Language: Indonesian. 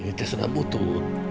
ini terserah butuh